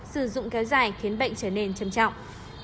sử dụng kéo dài khiến bệnh trở nên trầm trọng